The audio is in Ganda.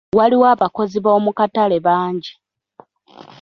Waliwo abakozi b'omukatale bangi.